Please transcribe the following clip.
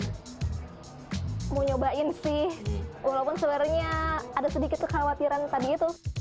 mau nyobain sih walaupun sebenarnya ada sedikit kekhawatiran tadi itu